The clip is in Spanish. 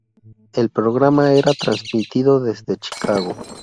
El programa era transmitido desde Chicago.